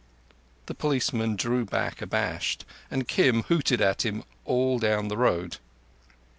The policeman drew back abashed, and Kim hooted at him all down the road.